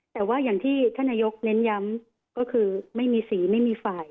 แต่ว่าอย่างที่ท่านนายกเน้นย้ำก็คือไม่มีสีไม่มีฝ่าย